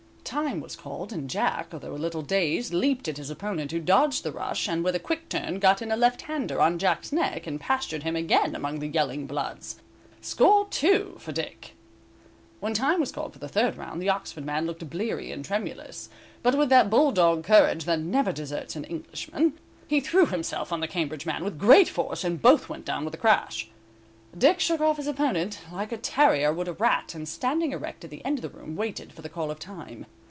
Time was called, and Jack, although a little dazed, leaped at his opponent, who dodged the rush, and with a quick turn got in a left hander on Jack's neck, and pastured him again among the yelling bloods. Score two for Dick. When time was called for the third round, the Oxford man looked bleary and tremulous, but with that bull dog courage that never deserts an Englishman, he threw himself on the Cambridge man with great force and both went down with a crash. Dick shook his opponent off like a terrier would a rat, and standing erect at the end of the room, waited for the call of time.